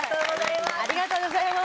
ありがとうございます。